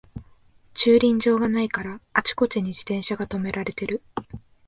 駐輪場がないからあちこちに自転車がとめられてる